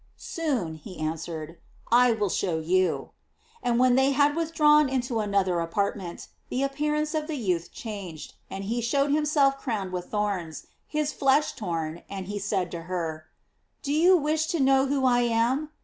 "Soon," he answered, " I will show you;" and when they had withdrawn into another apartment, the appearance of the youth changed, and he showed himself crowned with thorns, his flesh torn, and said to her: 'Do you wish to know who I am?